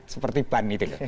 seperti ban gitu